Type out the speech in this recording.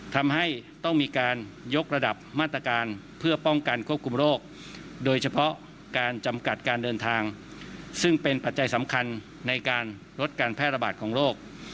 ทำให้ต้องมีการยกระดับมาตรการเพื่อป้องกันควบคุมโรคโดยเฉพาะการจำกัดการเดินทางซึ่งเป็นปัจจัยสำคัญในการลดการแพร่ระบาดของโรค